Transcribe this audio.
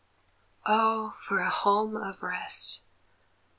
Oh, for a home of rest!